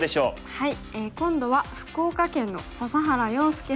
はい。